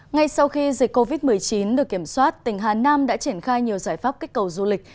ngay sau khi dịch covid một mươi chín được kiểm soát tỉnh hà nam đã triển khai nhiều giải pháp kích cầu du lịch